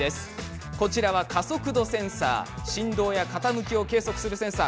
こちらは加速度センサーといいまして振動ですとか傾きを計測するセンサー。